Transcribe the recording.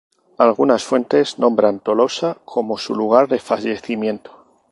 Alguna fuentes nombran Tolosa como su lugar de fallecimiento.